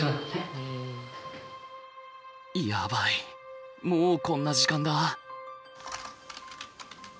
やばいもうこんな時間だ。